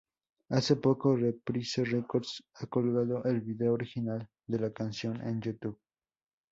Hace poco, Reprise Records ha colgado el vídeo original de la canción en youtube.